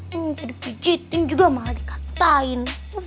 tidak dipijitin juga malah dikatain